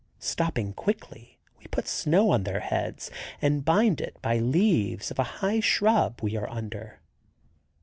Stopping quickly, we put snow on their heads and bind it by leaves of a high shrub we are under.